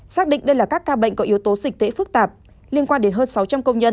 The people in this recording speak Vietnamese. xác định đây là các ca bệnh có yếu tố dịch tễ phức tạp liên quan đến hơn sáu trăm linh công nhân